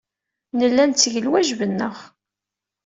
Nella netteg lwajeb-nneɣ.